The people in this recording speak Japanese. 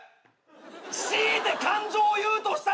強いて感情を言うとしたら「無」！